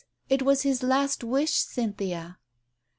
It was his last wish, Cynthia!"